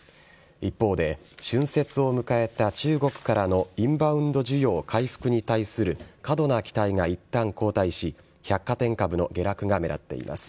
一方で、春節を迎えた中国からのインバウンド需要回復に対する過度な期待がいったん後退し、百貨店株の下落が目立っています。